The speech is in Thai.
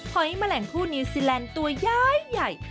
หอยแมลงคู่นิวซีแลนด์ตัวย้ายใหญ่